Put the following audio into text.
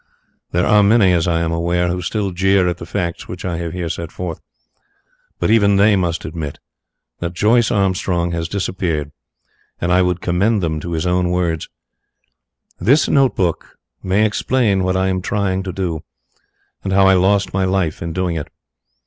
There are many, as I am aware, who still jeer at the facts which I have here set down, but even they must admit that Joyce Armstrong has disappeared, and I would commend to them his own words: "This note book may explain what I am trying to do, and how I lost my life in doing it.